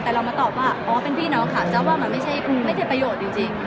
แต่เรามาตอบว่าเป็นพี่น้องค่ะมันไม่ใช่ประโยชน์จริง